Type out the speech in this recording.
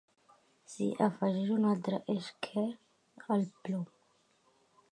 S'hi afegeix un altre esquer al plom.